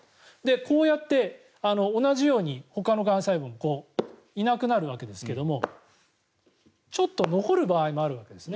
こうやって同じようにほかのがん細胞がいなくなるわけですがちょっと残る場合もあるわけですね。